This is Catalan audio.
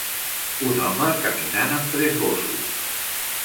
Un home caminant amb tres gossos